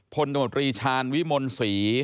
พลตมปรีชาณวิมนศรี